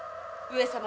上様。